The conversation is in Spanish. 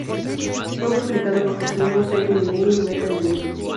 Fue publicado bajo su nuevo sello Millennium Metal Music.